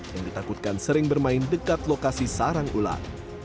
yang ditakutkan sering bermain dekat lokasi sarang ular